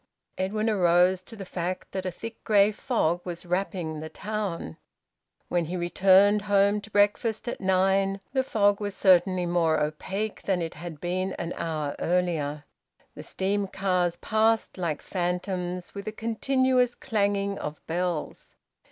Edwin arose to the fact that a thick grey fog was wrapping the town. When he returned home to breakfast at nine the fog was certainly more opaque than it had been an hour earlier. The steam cars passed like phantoms, with a continuous clanging of bells.